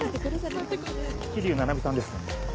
桐生菜々美さんですね？